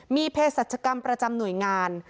มีเพศสัจกรรมประจำหน่วยงาน